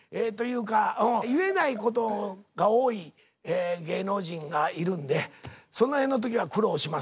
言えないことが多い芸能人がいるんでその辺の時は苦労します。